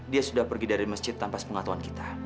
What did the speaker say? dia sudah pergi dari masjid tanpa sepengetahuan kita